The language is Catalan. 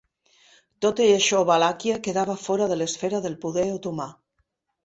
Tot i això Valàquia quedava fora de l'esfera del poder otomà.